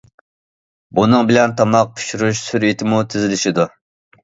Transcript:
بۇنىڭ بىلەن تاماق پىشۇرۇش سۈرئىتىمۇ تېزلىشىدۇ.